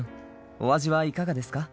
お味はいかがですか？